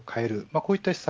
こういった施策